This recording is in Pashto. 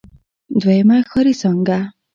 دويمه ښاري څانګه.